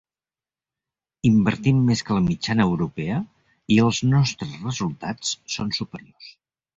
Invertim més que la mitjana europea i els nostres resultats són superiors.